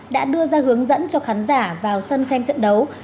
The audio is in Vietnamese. đã đưa ra hướng dẫn cho khán giả vào sân xem trận đấu